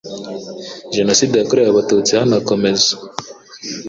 Jenoside yakorewe Abatutsi hanakomezwa